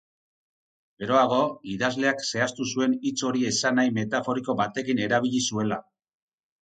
Geroago, idazleak zehaztu zuen hitz hori esanahi metaforiko batekin erabili zuela.